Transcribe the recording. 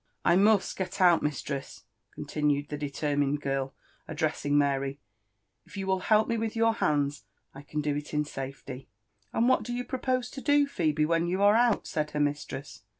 I must get out, mistress," continued the determined girl, addressing Mary : "if you will help me with your hands, 1 can do it in saifety." "And what do you propose to do, Phebe, when you are out?" said her mistress.